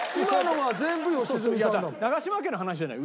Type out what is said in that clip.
長嶋家の話じゃない。